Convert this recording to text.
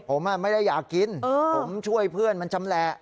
ผมไม่ได้อยากกินผมช่วยเพื่อนมันชำแหละ